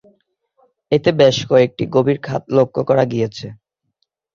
এতে বেশ কয়েকটি গভীর খাত লক্ষ্য করা গিয়েছে।